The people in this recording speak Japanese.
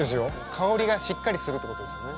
香りがしっかりするってことですよね。